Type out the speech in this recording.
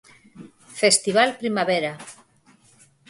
Festival Primavera.